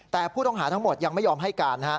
แต่ผู้ต้องหาทั้งหมดยังไม่ยอมให้การ